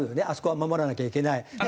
あそこは守らなきゃいけない。